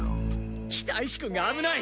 北石君が危ない。